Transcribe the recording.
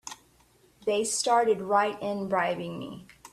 They started right in bribing me!